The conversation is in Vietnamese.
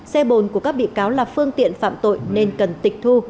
xe bồn của các bị cáo là phương tiện phạm tội nên cần tịch thu